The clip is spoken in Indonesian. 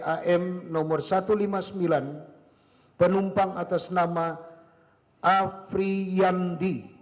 am nomor satu ratus lima puluh sembilan penumpang atas nama afri yandi